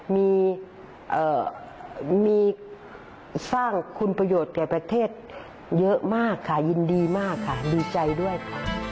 มีสร้างคุณประโยชน์แก่ประเทศเยอะมากค่ะยินดีมากค่ะดีใจด้วยค่ะ